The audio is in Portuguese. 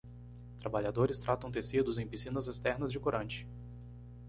Trabalhadores tratam tecidos em piscinas externas de corante.